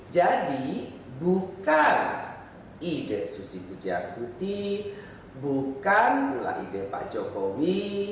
jadi bukan ide susi pujiasuti bukan pula ide pak jokowi